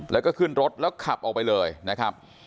แล้วก็ขึ้นรถแล้วขับออกไปเลยนะครับ